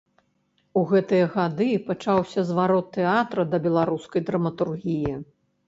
У гэтыя гады пачаўся зварот тэатра да беларускай драматургіі.